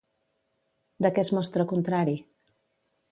De què es mostra contrari?